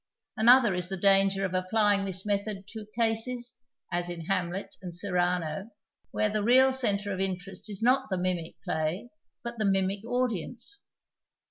Another is the danger of applying this method to cases (as in Hamlet and Cyrano) where the real centre of interest is not the mimic play but the mimic audience.